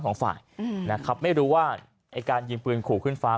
ทำของฝ่ายนะครับไม่รู้ว่าการยิงปืนขู่ขึ้นฟ้า